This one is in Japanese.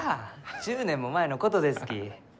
１０年も前のことですき。